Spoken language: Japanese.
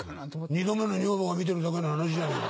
２度目の女房が見てるだけの話じゃねえか。